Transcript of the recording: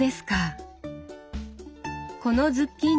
このズッキーニは？